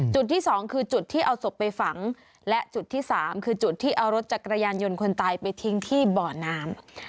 จุดที่สองคือจุดที่เอาศพไปฝังและจุดที่สามคือจุดที่เอารถจักรยานยนต์คนตายไปทิ้งที่บ่อน้ำ